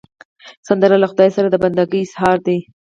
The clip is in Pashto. سندره له خدای سره د بندګي اظهار دی